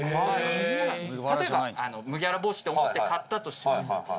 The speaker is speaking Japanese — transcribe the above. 例えば麦わら帽子と思って買ったとします。